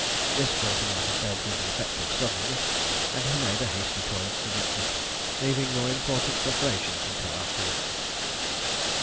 This brought him out of bed with effective suddenness, and he made a hasty toilet for breakfast, leaving more important preparations until afterwards.